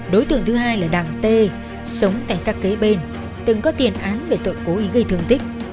đối tượng thứ hai là đảng t sống tại xã kế bên từng có tiền án về tội cố ý gây thương tích